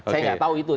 saya nggak tahu itu